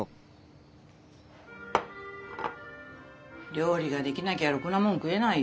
料理ができなきゃろくなもん食えないよ。